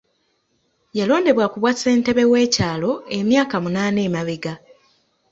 Yalondebwa ku bwa ssentebe w'ekyalo emyaka munaana emabega.